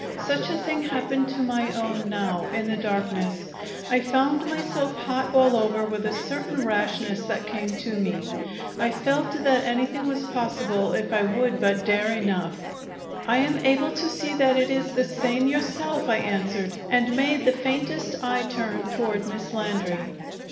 Such a thing happened to my own, now, in the darkness. I found myself hot all over with a certain rashness that came to me. I felt that anything was possible if I would but dare enough. "I am able to see that it is the same yourself!" I answered, and made the faintest eye turn toward Miss Landry.